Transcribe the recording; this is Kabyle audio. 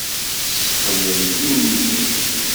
Tessexlellim-iyi!